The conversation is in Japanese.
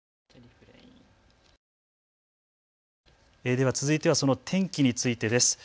では続いてはその天気についてです。